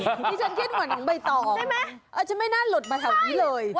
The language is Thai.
ที่ฉันคิดเหมือนในใบต่อออกอาจจะไม่น่าหลดมาแถวนี้เลยใช่